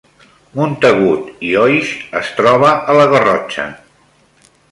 Montagut i Oix es troba a la Garrotxa